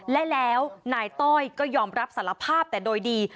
และแล้วนายต้อยก็ยอมรับสารภาพแต่โดยดี